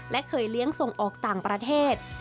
และเคยเลี้ยงส่งออกต่างประเทศ